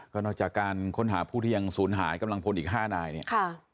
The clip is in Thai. ก็นอกจากการค้นหาผู้ที่ยังศูนย์หายกำลังพลอีก๕นายเนี่ย